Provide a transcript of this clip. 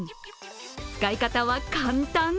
使い方は簡単。